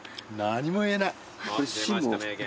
「何も言えない」